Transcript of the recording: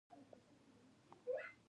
دا کارونه فرد د یوه شي تر کچې ټیټوي.